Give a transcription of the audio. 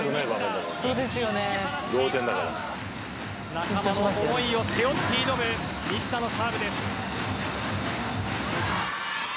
仲間の思いを背負って挑む西田のサーブです。